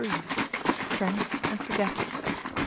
Strength and Sagacity.